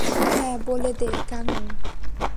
হ্যাঁ বলে দে, গাঙু।